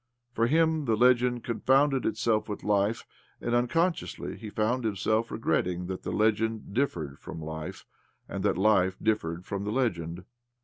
Eor him the legend confounded itself with life, and, unconsciously, he found himself regretting that the legend differed from life, and that life differed from the legend.